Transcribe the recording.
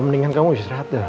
ya mendingan kamu istirahat deh